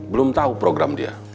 belum tahu program dia